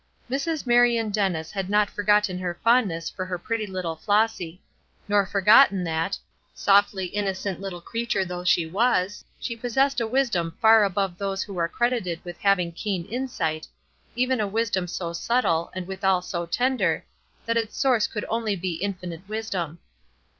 Mrs. Marion Dennis had not forgotten her fondness for her pretty little Flossy: nor forgotten that, softly innocent little creature though she was, she possessed a wisdom far above those who are credited with having keen insight; even a wisdom so subtle, and withal so tender, that its source could only be Infinite Wisdom.